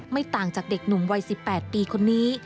ต่างจากเด็กหนุ่มวัย๑๘ปีคนนี้